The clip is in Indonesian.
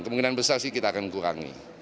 kemungkinan besar sih kita akan kurangi